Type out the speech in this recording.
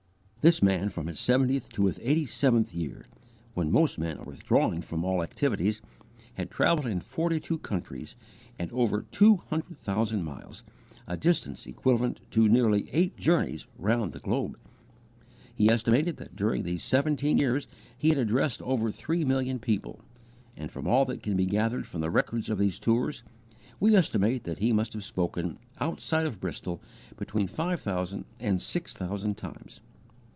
This man from his seventieth to his eighty seventh year when most men are withdrawing from all activities, had travelled in forty two countries and over two hundred thousand miles, a distance equivalent to nearly eight journeys round the globe! He estimated that during these seventeen years he had addressed over three million people; and from all that can be gathered from the records of these tours, we estimate that he must have spoken, outside of Bristol, between five thousand and six thousand times.